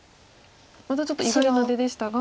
またちょっと意外な出でしたが。